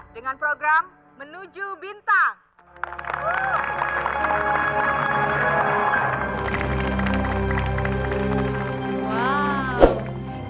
dengan program menuju bintang